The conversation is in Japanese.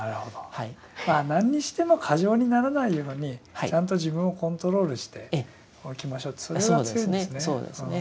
まあなんにしても過剰にならないようにちゃんと自分をコントロールしておきましょうってそれが強いんですね。